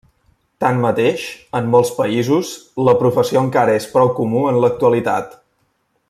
Tanmateix, en molts països, la professió encara és prou comú en l'actualitat.